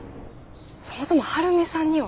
そもそも晴美さんには？